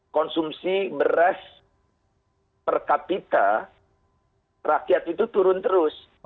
konsumsi beras per kapita rakyat itu turun terus